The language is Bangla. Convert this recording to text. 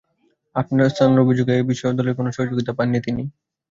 আপসানার অভিযোগ, এ বিষয়েও দলের কোনো সহযোগিতা পাননি তিনি।